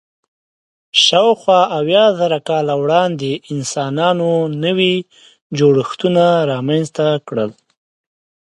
شاوخوا اویا زره کاله وړاندې انسانانو نوي جوړښتونه رامنځ ته کړل.